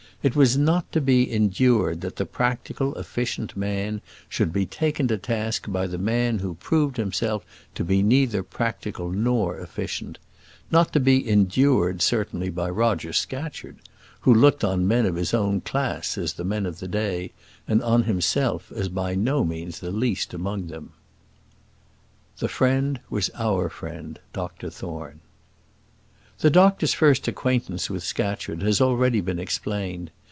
It was not to be endured that the practical, efficient man should be taken to task by the man who proved himself to be neither practical nor efficient; not to be endured, certainly, by Roger Scatcherd, who looked on men of his own class as the men of the day, and on himself as by no means the least among them. The friend was our friend Dr Thorne. The doctor's first acquaintance with Scatcherd has been already explained.